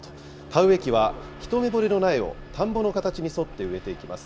田植え機は、ひとめぼれの苗を田んぼの形に沿って植えていきます。